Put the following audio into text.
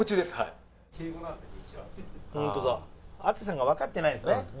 淳さんがわかってないですね。